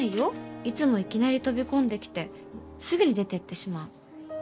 いつもいきなり飛び込んできてすぐに出てってしまう。